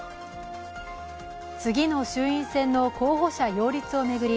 次の衆院選の候補者擁立を巡り